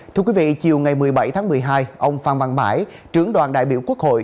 thưa quý vị chiều ngày một mươi bảy tháng một mươi hai ông phan văn mãi trưởng đoàn đại biểu quốc hội